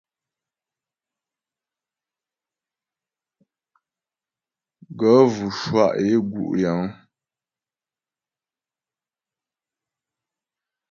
Gaə̂ vʉ shwá' é gú' yəŋ.